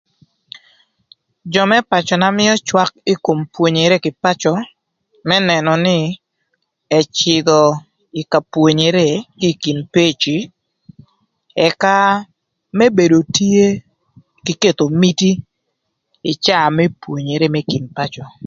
Jö më pacöna mïö cwak ï kom pwonyere kï ï pacö më nënö nï ëcïdhö ï ka pwonyere ï kin peci ëka më bedo tye kï ketho miti ï caa më pwonyere më kin pacö.